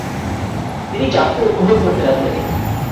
তিনি যাত্রা উপভোগ করতে লাগলেন।